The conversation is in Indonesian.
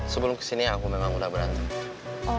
sebelum kesini aku memang udah berantem